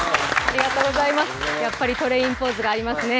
やっぱりトレインポーズがありますね。